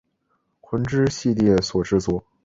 魂之系列所制作。